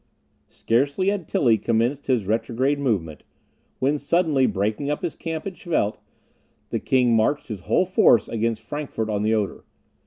Scarcely had Tilly commenced his retrograde movement, when suddenly breaking up his camp at Schwedt, the king marched his whole force against Frankfort on the Oder.